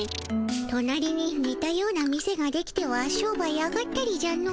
となりににたような店ができては商売上がったりじゃの。